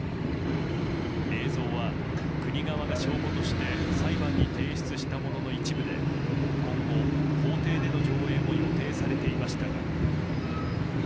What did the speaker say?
映像は国側が証拠として裁判に提出したものの一部で今後、法廷での上映も予定されていましたが。